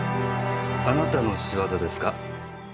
あなたの仕業ですか？